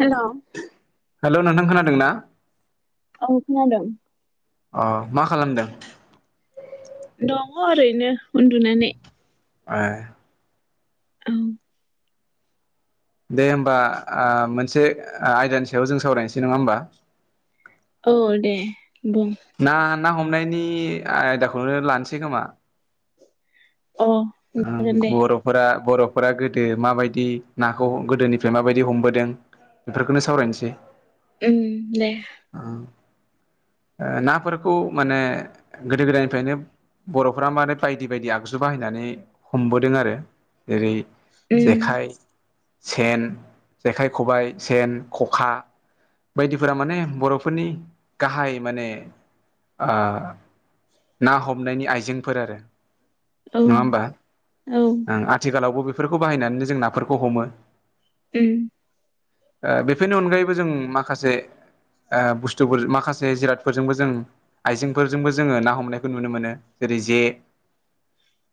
Hello hello नोंथां खोनादों ना? औ खोनादों अ मा खालामदों? दङ ओरैनो उन्दुनानै ए औ दे होमबा आ मोनसे आ आयदानि सायाव जों सावरायनोसै नङा होमबा। औ दे बुं ना ना हमनायनि आयदाखौनो लानोसै खोमा अ ओं जागोन दे बर' फोरा बर'फोरा गोदो माबायदि नाखौ गोदोनिफ्राय माबायदि हमबोदों। बेफोरखौनो सावरायनोसै उम दे उम ओ नाफोरखौ माने गोदो गोदायनिफ्रायनो बर'फ्रा [unintelligible] बायदि बायदि आगजु बाहायनानै हमबोदों आरो ओरै उम जेखाइ सेन जेखाइ खबाइ सेन खखा बायदिफोरा माने बर'फोरनि गाहाय माने ओ ना हमनायनि आइजेंफोर आरो। औ नङा होमबा औ ओं आथिखालावबो बेफोरखौ बाहायनानैनो जों नाफोरखौ हमो। ओम ओ बेफोरनि अनगायैबो जों माखासे। ओ बुस्थुफोर माखासे जिरादफोरजोंबो जों आइजेंफोरजोंबो जोङो ना हमनायखौ नुनो मोनो जेरै जे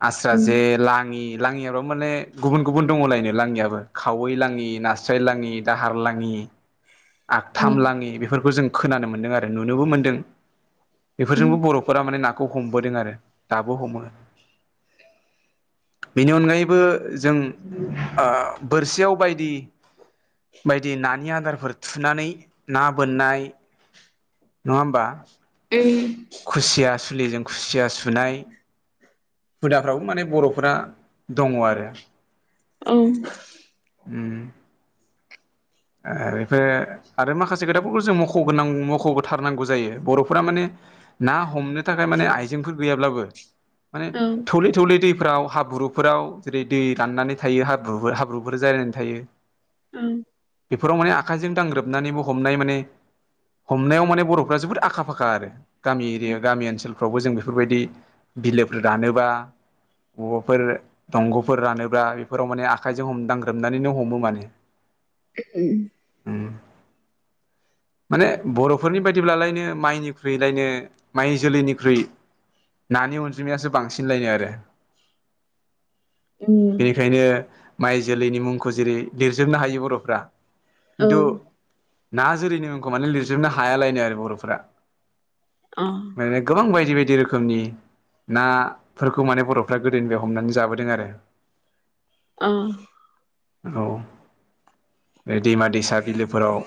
आस उम जे लाङि लाङियाल माने गुबुन गुबुन दङलायनो लाङियाबो खावै लाङि नास्राय लाङि दाहार लाङि औ आगथाम लाङि बेफोरखौ जों खोनानो मोन्दों आरो नुनोबो मोनदों उम उम बेफोरजोंबो बर' फोरा माने नाखौ हमबोदों आरो दाबो हमो। बेनि अनगायैबो जों ओ बोरसियाव बायदि बायदि नानि आदारफोर थुनानै ना बोननाय नङा होमबा। ओम खुसिया सुलिजों खुसिया सुनाय हुदाफ्रावबो माने बर'फ्रा दङ आरो। ओम ओम ओ बेफो आरो माखासे खोथाफोरखौ जों मख'गोनां मख'थारनांगौ जायो बर'फोरा माने ना हमनो थाखाय माने आइजेंफोर गैयाब्लाबो माने औ थौले थौले दैफोराव हाब्रुफोराव जेरै' दै राननानै थायो हाब्रुफोर हाब्रुफोर जानानै थायो। ओम बेफोराव माने आखाइजों दांग्रोमनानै बो हमनाय माने हमनायाव माने बर'फ्रा जोबोद आखा फाखा आरो गामि एरिया गामि ओनसोल फ्रावबो जों बेफोरबायदि बिलोफोर रानोबा बबाफोर दंग'फोर रानोब्ला बेफोराव माने आखाइजों हमदांग्रोमनानैनो हमो माने। [unintelligible] उम माने बर'फोरनि बायदिब्लालायनो माइनिख्रुइलायनो माइ जोलैनिख्रुइ नानि अनजिमायासो बांसिन लायनो आरो। उम बेखायनो माइ जोलैनि मुंखौ जेरै लिरजोबनो हायो बर'फ्रा औ खिन्थु। ना जुरैनि मुंखौ माने लिरजोबनो हायालायनो आरो बर'फोरा अ माने गोबां बायदि बायदि रोखोमनि ना फोरखौ माने बर'फ्रा गोदोनिफ्राय हमनानै जाबोदों आरो अ औ बे दैमा दैसा बिलोफोराव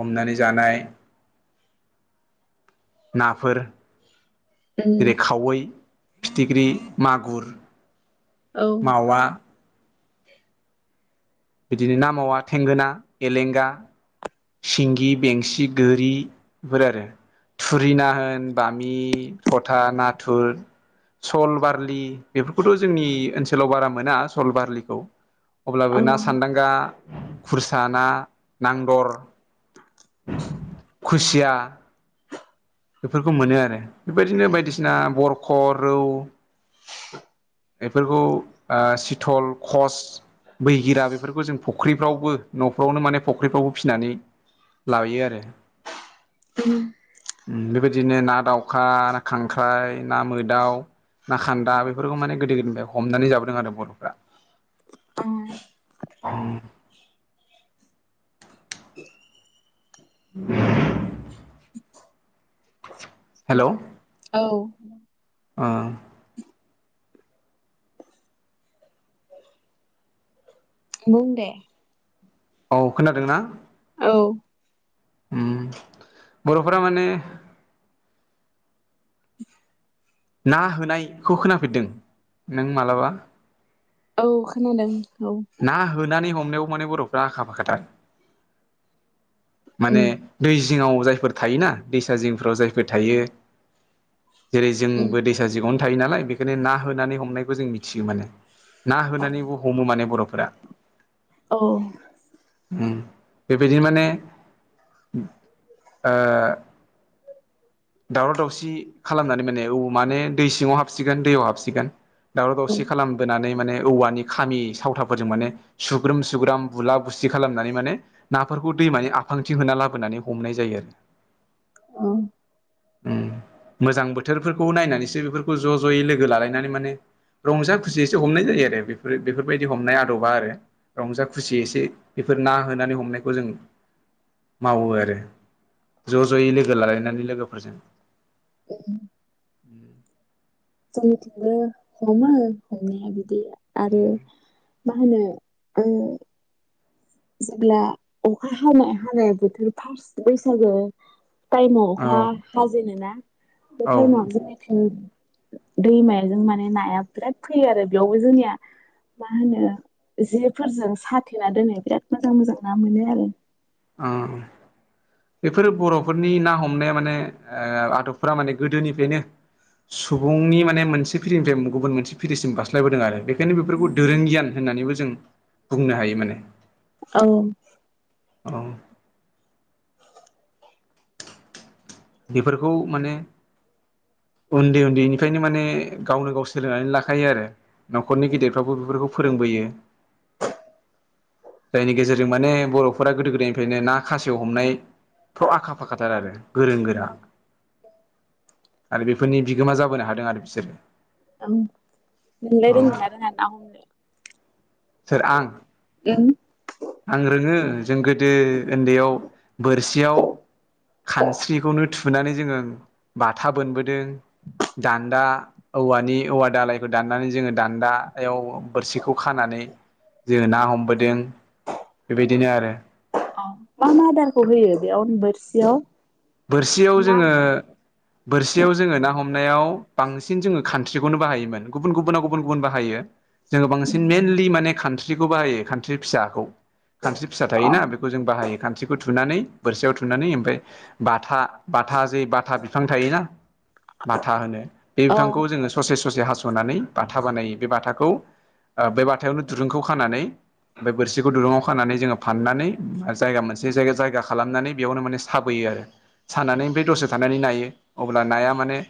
हमनानै जानाय नाफोर उम जेरै खावै फिथिख्रि मागुर औ मावा इदिनो ना मावा थेंगोना एलेंगा सिंगि बेंसि गोरि बेफोरो आरो थुरि ना होन बामि थथा नाथुर सल बारलि बेफोरखौथ' जोंनि ओनसोलाव बारा मोना सल बारलिखौ अ अब्लाबो ना सान्दांगा खुरसा ना नांदर [unintelligible] खुसिया बेफोरखौ मोनो आरो बेबायदिनो बायदिसिना बरख' रौ बेफोरखौ ओ सिथल कस बैगिरा बेफोरखौ जों फख्रिफ्रावबो न'फ्रावनो माने फख्रिफ्रावबो फिनानै लाबोयो आरो [unintelligible] उम बेबादिनो ना दाउखा ना खांख्राइ ना मोदाउ ना खान्दा बेफोरखौ माने गोदो गोदोनिफ्राय हमनानै जाबोदों आरो बर'फ्रा अ [unintelligible] [unintelligible] हेलौ औ ओ बुं दे औ खोनादों ना औ उम बर'फोरा माने [unintelligible] ना होनायखौ खोनाफेरदों नों मालाबा? औ खोनादों औ ना होनानै हमनायाव माने बर'फ्रा आखा फाखाथार माने उम दै जिङाव जायफोर थायोना दैसा जिंफोराव जायफोर थायो जेरै उम जोंबो दैसा जिङावनो थायो नालाय बेखायनो ना होनानै हमनायखौ जों मिथियो माने ना औ होनानैबो हमो माने बर'फोरा औ उम बेबायदि माने ओ दावराव दावसि खालामनानै माने औ माने दै सिङाव हाबसिगोन दैयाव हाबसिगोन दावराव दावसि खालाम बोनानै माने औवानि खामि सावथाफोरजों माने सुग्रोम सुग्राम बुला बुसि खालामनानै माने नाफोरखौ दैमानि आफांथि होना लाबोनानै हमनाय जायो आरो औ उम मोजां बोथोरफोरखौ नायनानैसो बेफोरखौ ज' जयै लोगो लालायनानै माने रंजा खुसियैसो हमनाय जायो आरो बेफोर बेफोरबायदि हमनाय आदबा आरो रंजा खुसि एसे बेफोर ना होनानै हमनायखौ जों मावो आरो ज' जयै लोगो लालायनानै लोगोफोरजों [unintelligible] [inaudible] जोंनिथिंबो हमो हमनाया बिदि आरो मा होनो ओ जेब्ला अखा हानाय हानाय बोथोर फारस बैसागोयाव टाइमाव औ अखा हाजेननो ना बे औ टाइमाव जों दैमाजों माने नाया बिराद फैयो आरो बेयावबो जोंनिया मा होनो जेफोरजों साथेना दोनो बिराद मोजां मोजां ना मोनो आरो। ओ बेफोरो बर'फोरनि ना हमनाया माने ओ आंथ फुरा माने गोदोनिफ्रायनो सुबुंनि माने मोनसे फिरिनिफ्राय गुबुन मोनसे फिरिसिम बारस्लायबोदों आरो बे बेखायनो बेफोरखौ दोरों गियान होननानैबो जों बुंनो हायो माने। औ औ बेफोरखौ माने उन्दै उन्दैनिफ्रायनो माने गावनो गाव सोलोंनानै लाखायो आरो। न'खरनि गिदिरफ्राबो बेफोरखौ फोरोंबोयो‌। जायनि गेजेरजों माने बर'फोरा गोदो ना खासेयाव हमनायफ्राव आखा फाखाथार आरो। गोरों गोरा आरो बेफोरनि बिगोमा जाबोनो हादों आरो बिसोरो। ओं नोंलाय औ रोंङो ना रोङा ना हमनो? सोर आं उम आं रोङो जों गोदो उन्दैयाव बोरसियाव खानस्रिखौनो थुनानै जोङो बाथा बोनबोदों। दान्दा औवानि औवा दालायखौ दाननानै जोङो दान्दायाव बोरसिखौ खानानै जोङो ना हमबोदों बेबायदिनो आरो। औ मा मा मा आदारखौ होयो बेयावनो बोरसियाव? बोरसियाव ना जोङो बोरसियाव जोङो ना हमनायाव बांसिन जोङो खान्स्रिखौनो बाहायोमोन गुबुन गुबुना गुबुन गुबुन बाहायो। जोङो बांसिन मेइनलि माने कान्ट्रिखौ बाहायो कान स्रि फिसाखौ खानस्रि फिसा अ थायोना बेखौ जों बाहायो कानस्रि खौ थुनानै बोरसियाव थुनानै ओमफ्राय बाथा बाथा जे बाथा बिफां थायोना बाथा होनो बे औ बिफांखौ जोङो ससे ससे हास'नानै बाथा बानायो बे बाथाखौ ओ बे बाथायावनो दुरुंखौ खानानै ओमफ्राय बोरसिखौ दुरुङाव खानानै जोङो फाननानै जायगा मोनसे जायगा जायगा खालामनानै बेयावनो माने साबोयो आरो। साननानै ओमफ्राय दसे थानानै नायो अब्ला नाया माने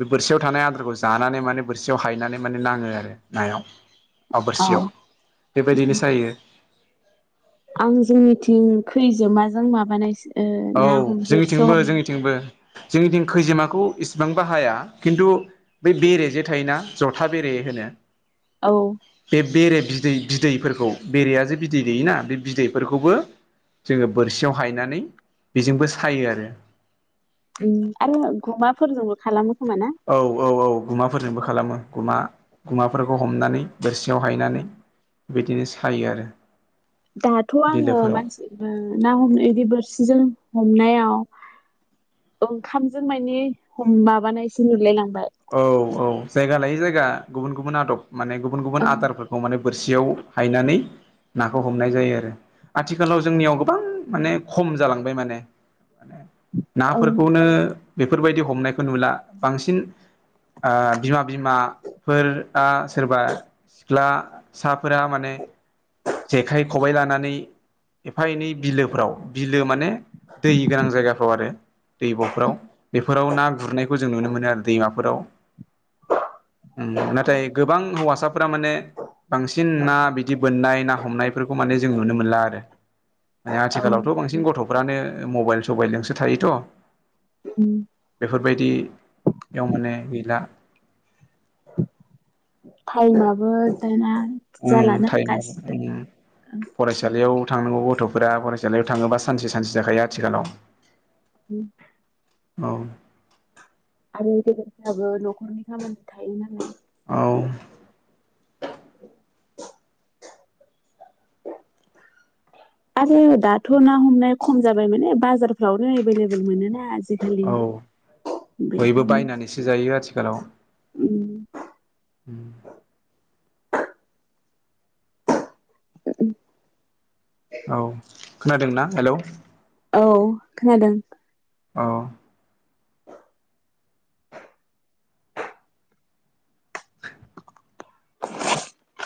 बे बोरसियाव थानाय आदारखौ जानानै माने बोरसियाव हायनानै माने नाङो आरो नायाव। बां अ बोरसियाव बेबायदिनो सायो। आं जोंनिथिं खैजोमाजों माबानायसो ओ ना औ बोरसो जोंनिथिंबो हमनाय जोंनिथिंबो जोंनिथिं खैजोमाखौ इसिबां बाहाया खिन्थु बै बेरेजे थायो ना जथा बेरे होनो औ बे बेरे बिदै बिदैफोरखौ बेरेया जे बिदै दैयोना बे बिदैफोरखौबो जोङो बोरसियाव हायनानै बेजोंबो सायो आरो। ओम आरो गुमाफोरजोंबो खालामो खोमा ना? औ औ औ गुमाफोरजोंबो खालामो गुमा गुमाफोरखौ हमनानै बोरसियाव हायनानै बिदिनो सायो आरो बिलोफोराव। उम ना हमनाय इदि बोरसिजों हमनायाव ओंखामजों माइने हम माबानायसो नुलाय लांबाय। औव औव जायगा लायै जायगा गुबुन गुबुन आदब माने गुबुन गुबुन ओं आदारफोर खौ माने बोरसियाव हायनानै नाखौ हमनाय जायो। आरो आथिखालाव जोंनियाव गोबां माने खम जालांबाय माने माने ओं नाफोरखौवनो बेफोरबायदि हमनायखौव नुला बांसिन ओ बिमा बिमाफोरआ सोरबा सिख्ला साफोरा माने जेखाइ खबाइ लानानै एफा एनै बिलोफ्राव बिलो माने दै गोनां जायगाफ्राव आरो दैब'फोराव बेफोराव ना गुरनायखौ जों नुनो मोनो आरो दैमाफोराव उम नाथाय गोबां हौवासाफोरा माने बांसिन ना बिदि बोननाय ना हमनायफोरखौ माने जों नुनो मोनला आरो माने औ आथिखालावथ' बांसिन गथ' गथ'फोरानो मबाइल सबाइलजोंसो थायोथ' उम बेफोरबाइदियाव माने गैयला। टाइमाबो दाना उम जालाना टाइमाबो गासिबो उम फरायसालियाव थांनांगौ गथ'फोरा फरायसालियाव थांङोबा सानसे सानसे जाखायो आथिखालाव। उम औव आरो गेेदेरफोराबो न'खरनि खामानि थायो नालाय औव [inaudible] आरो दाथ' ना हमनाया खम जाबाय माने बाजारफ्रावनो एभेलेबल मोनो ना आजिखालि औ बयबो बेखायनो बायनानैसो जायो आथिखालाव उम। [inaudible] औव खोनादोंना हेल'? औ खोनादों। ओ [inaudible] [inaudible]